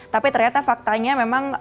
tapi ternyata faktanya memang